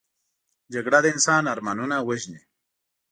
جګړه د انسان ارمانونه وژني